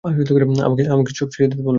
আমাকে সব ছেড়ে দিতে বললো?